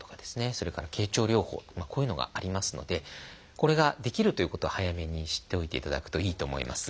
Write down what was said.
それから経腸療法こういうのがありますのでこれができるということを早めに知っておいていただくといいと思います。